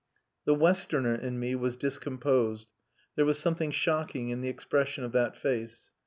The westerner in me was discomposed. There was something shocking in the expression of that face.